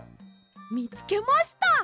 みつけました！